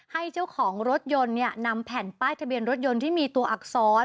ให้เจ้าของรถยนต์นำแผ่นป้ายทะเบียนรถยนต์ที่มีตัวอักษร